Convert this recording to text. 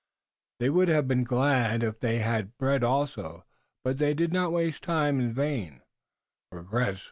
They would have been glad had they bread also, but they did not waste time in vain regrets.